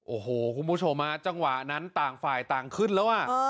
โอ้โหคุณผู้ชมฮะจังหวะนั้นต่างฝ่ายต่างขึ้นแล้วอ่ะ